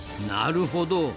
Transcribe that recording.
なるほど。